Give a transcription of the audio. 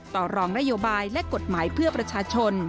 ต่อรองนโยบายและกฎหมายเพื่อประชาชน